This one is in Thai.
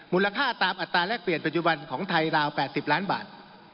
ตามอัตราแรกเปลี่ยนปัจจุบันของไทยราว๘๐ล้านบาท